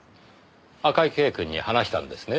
赤井啓くんに話したんですね？